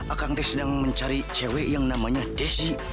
aku sedang mencari cewek yang namanya desi